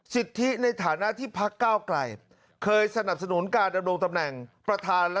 สิทธิในฐานะที่ภาคเก้าไกร